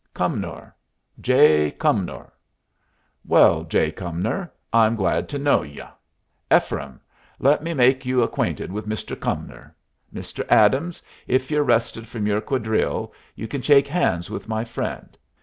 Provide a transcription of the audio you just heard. "Cumnor J. Cumnor." "Well, J. Cumnor, I'm glad to know y'u. Ephraim, let me make you acquainted with Mr. Cumnor. Mr. Adams, if you're rested from your quadrille, you can shake hands with my friend.